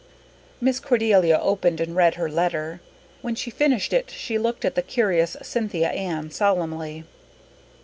Miss Cordelia opened and read her letter. When she finished it she looked at the curious Cynthia Ann solemnly.